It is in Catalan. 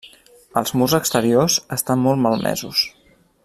Els murs exteriors estan molt malmesos.